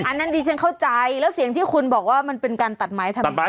อันนั้นดิฉันเข้าใจแล้วเสียงที่คุณบอกว่ามันเป็นการตัดไม้ทำไม